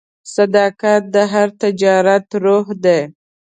صداقت د هر تجارت روح دی.